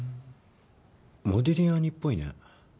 モディリアーニっぽいね。